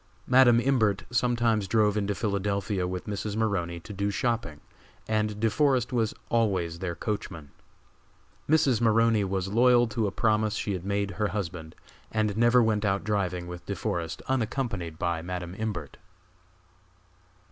Madam Imbert sometimes drove into Philadelphia with Mrs. Maroney to do shopping, and De Forest was always their coachman. Mrs. Maroney was loyal to a promise she had made her husband, and never went out driving with De Forest unaccompanied by Madam Imbert.